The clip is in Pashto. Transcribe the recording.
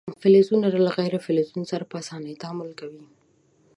فلزونه له غیر فلزونو سره په اسانۍ تعامل کوي.